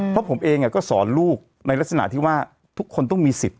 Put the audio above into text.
เพราะผมเองก็สอนลูกในลักษณะที่ว่าทุกคนต้องมีสิทธิ